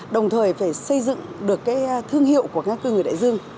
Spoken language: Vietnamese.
đồng thời phải xây dựng được cái thương hiệu của cá ngừ đại dương